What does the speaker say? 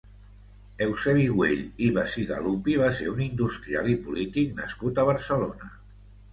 Eusebi Güell i Bacigalupi va ser un industrial i polític nascut a Barcelona.